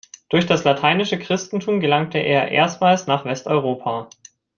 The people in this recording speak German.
Durch das lateinische Christentum gelangte er erstmals nach Westeuropa.